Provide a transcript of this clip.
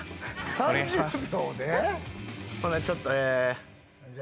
お願いします。